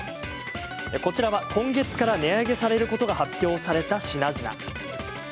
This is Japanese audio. こちらは、今月から値上げされることが発表された品々。